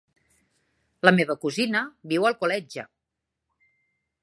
La meva cosina viu a Alcoleja.